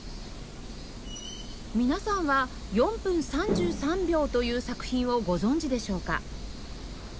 皆さんは『４分３３秒』という作品をご存じでしょうか？